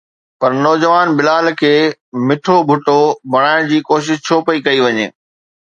پر نوجوان بلاول کي مٺو ڀٽو بنائڻ جي ڪوشش ڇو ڪئي پئي وڃي؟